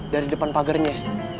dari depan pagernya